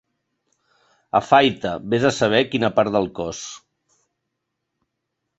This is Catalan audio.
Afaita, ves a saber quina part del cos.